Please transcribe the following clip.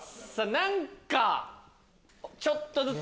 何かちょっとずつ。